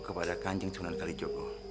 kepada kanjeng sunan kali jogo